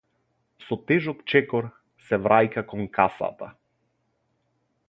Со тежок чекор се враќа кон касата.